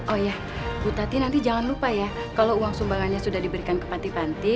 oh iya bu tati nanti jangan lupa ya kalau uang sumbangannya sudah diberikan ke panti panti